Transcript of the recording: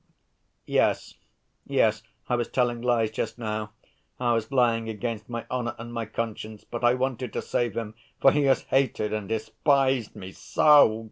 "Yes, yes. I was telling lies just now. I was lying against my honor and my conscience, but I wanted to save him, for he has hated and despised me so!"